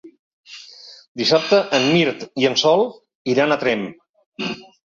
Dissabte en Mirt i en Sol iran a Tremp.